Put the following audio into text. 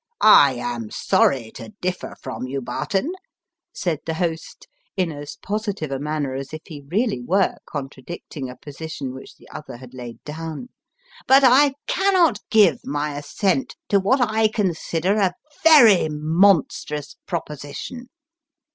" I am sorry to differ from you, Barton," said the host, in as positive a manner as if he really were contradicting a position which the other had laid down, " but I cannot give my assent to what I consider a very monstrous proposition."